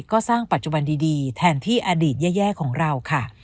ก็สร้างปัจจุบันดีแทนที่อดีตแย่ของเราค่ะ